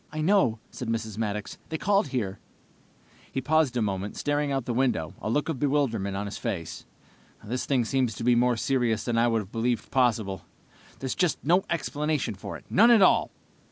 "I know," said Mrs. Maddox. "They called here." He paused a moment, staring out the window, a look of bewilderment on his face. "This thing seems to be more serious than I would have believed possible. There's just no explanation for it, none at all!"